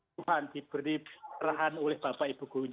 tuhan diberi arahan oleh bapak ibu gurunya